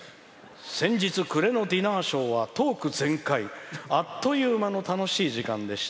先日暮れのディナーショーはトーク全開、あっという間の楽しい時間でした。